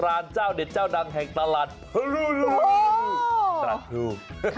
ร้านเจ้าเด็ดเจ้าดังแห่งตลาดภรรยาธิว